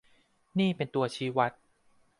นี่เป็นตัวชี้วัด